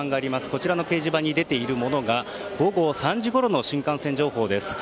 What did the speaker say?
こちらの掲示板に出ているものが午後３時ごろの新幹線情報です。